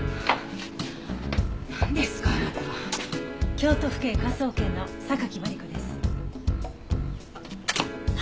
京都府警科捜研の榊マリコです。